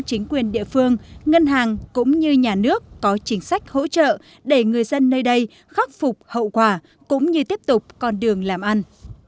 chính quyền địa phương ngân hàng cũng như nhà nước có chính sách hỗ trợ để người dân nơi đây khắc phục hậu quả cũng như tiếp tục con đường làm ăn